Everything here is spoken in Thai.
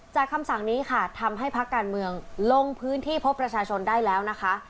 คำสั่งนี้ค่ะทำให้พักการเมืองลงพื้นที่พบประชาชนได้แล้วนะคะ